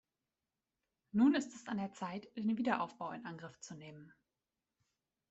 Nun ist es an der Zeit, den Wiederaufbau in Angriff zu nehmen.